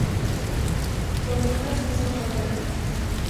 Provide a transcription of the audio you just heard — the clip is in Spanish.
Con Doblas hizo "¿A París?...